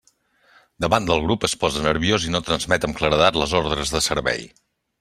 Davant del grup es posa nerviós i no transmet amb claredat les ordres de servei.